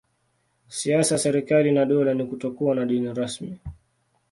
Siasa ya serikali na dola ni kutokuwa na dini rasmi.